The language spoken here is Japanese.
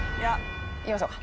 いきましょうか。